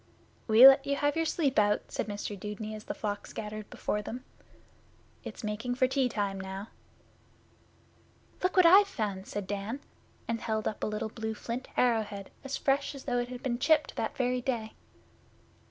'We let you have your sleep out,' said Mr Dudeney, as the flock scattered before them. 'It's making for tea time now.' 'Look what I've found, said Dan, and held up a little blue flint arrow head as fresh as though it had been chipped that very day.